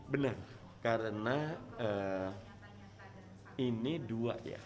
benar karena ini dua ya